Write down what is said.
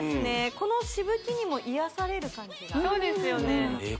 このしぶきにも癒やされる感じがそうですよねえっ